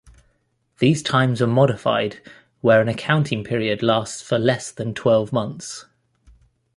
These times are modified where an accounting period lasts for less than twelve months.